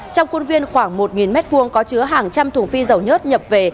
trong khuôn viên khoảng một m hai có chứa hàng trăm thùng phi dầu nhất nhập về